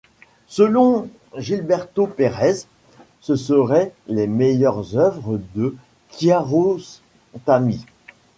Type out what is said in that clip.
Selon Gilberto Perez, ce serait les meilleures œuvres de Kiarostami.